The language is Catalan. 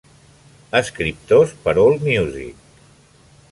Escriptors per Allmusic.